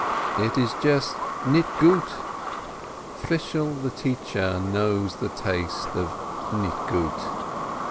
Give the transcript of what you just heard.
It is just "nit gut." Fishel the teacher knows the taste of "nit gilt."